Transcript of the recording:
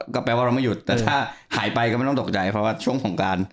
ก็แปลว่าเราไม่หยุดแต่ถ้าหายไปก็ไม่ต้องตกใจเพราะว่าช่วงสงการ